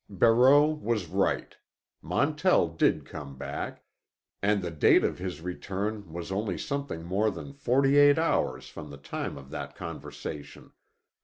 Barreau was right. Montell did come back, and the date of his return was only something more than forty eight hours from the time of that conversation.